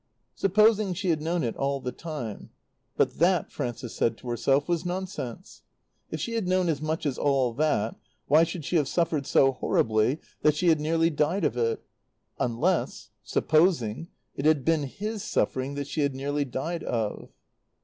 Supposing she had known it all the time? But that, Frances said to herself, was nonsense. If she had known as much as all that, why should she have suffered so horribly that she had nearly died of it? Unless supposing it had been his suffering that she had nearly died of?